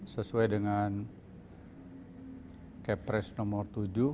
sesuai dengan capres nomor tujuh dua ribu dua puluh